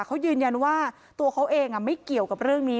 เขายืนยันว่าตัวเขาเองไม่เกี่ยวกับเรื่องนี้